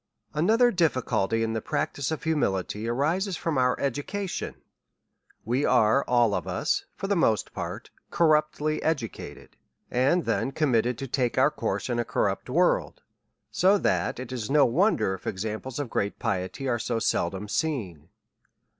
ANOTHER difficulty in the practice of humility, arises from our education. We are all of us^ for the most part, corruptly educated, and then committed to take our course in a corrupt w orld ; so that it is no wonder, if examples of great piety are so seldom seen.